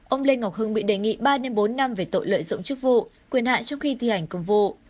ông lê ngọc hưng bị đề nghị ba bốn năm về tội lợi dụng chức vụ quyền hạn trong khi thi hành công vụ